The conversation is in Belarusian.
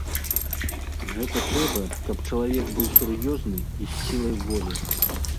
Гэта трэба, каб чалавек быў сур'ёзны і з сілай волі.